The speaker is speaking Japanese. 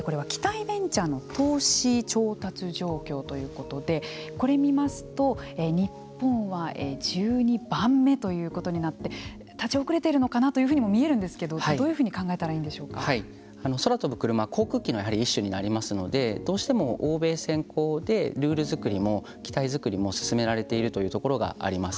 これは機体ベンチャーの投資調達状況ということでこれ見ますと日本は１２番目ということになって立ち遅れているのかなというふうに見えるんですけどどういうふうに空飛ぶクルマは航空機の一種になりますのでどうしても欧米先行でルール作りも機体作りも進められているというところがあります。